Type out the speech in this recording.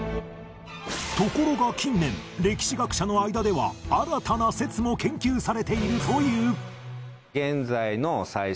ところが近年歴史学者の間では新たな説も研究されているという